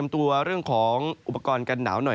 ในแต่ละพื้นที่เดี๋ยวเราไปดูกันนะครับ